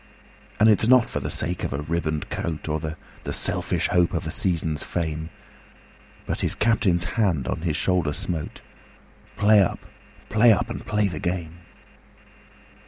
And it's not for the sake of a ribboned coat, Or the selfish hope of a season's fame, But his Captain's hand on his shoulder smote "Play up! play up! and play the game!"